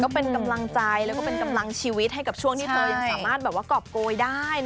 เป็นกำลังใจแล้วก็เป็นกำลังชีวิตให้กับช่วงที่เธอยังสามารถแบบว่ากรอบโกยได้